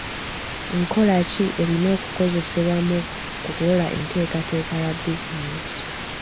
Nkola ki erina okukozesebwa mu kukola enteekateeka ya bizinensi?